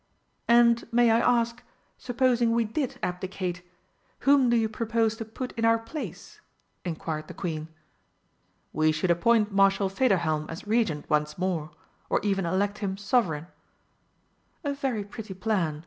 "And may I ask, supposing we did abdicate, whom do you propose to put in our place?" inquired the Queen. "We should appoint Marshal Federhelm as Regent once more or even elect him Sovereign." "A very pretty plan!"